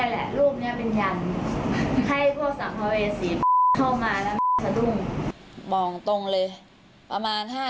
ลูกนี้มันกว่าจะอยู่ตรงแบบนี้เนี่ยแหละรูปเนี้ยเป็นยัน